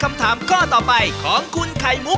ไม่ใช่ครับ